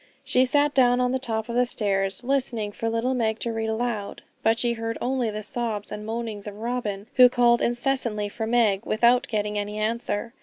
She sat down on the top of the stairs, listening for little Meg to read aloud, but she heard only the sobs and moanings of Robin, who called incessantly for Meg, without getting any answer.